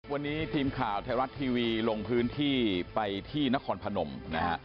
วันนี้ทีมข่าวไทยรัฐทีวีลงพื้นที่ไปที่นครพนมนะฮะ